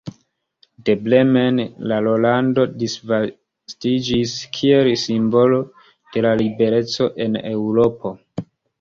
De Bremen la rolando disvastiĝis kiel simbolo de la libereco en Eŭropo.